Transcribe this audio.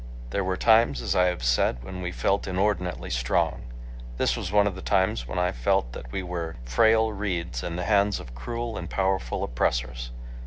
There were times, as I have said, when we felt inordinately strong. This was one of the times when I felt that we were frail reeds in the hands of cruel and powerful oppressors.